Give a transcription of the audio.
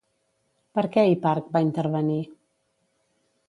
Per què Hiparc va intervenir?